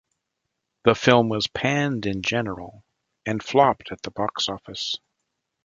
The film was panned in general and flopped at the box office.